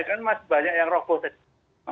kan masih banyak yang rokok ya